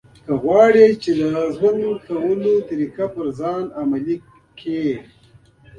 کله چې غواړي ستا د ژوند کولو طریقه په ځان عملي کړي.